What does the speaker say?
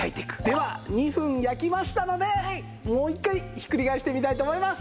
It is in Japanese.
では２分焼きましたのでもう１回ひっくり返してみたいと思います。